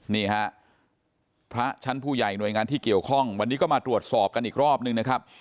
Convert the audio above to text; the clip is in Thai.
นี่ฮะพระชั้นผู้ใหญ่หน่วยงานที่เกี่ยวข้องวันนี้ก็มาตรวจสอบกันอีกรอบนึงนะครับ